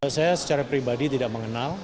saya secara pribadi tidak mengenal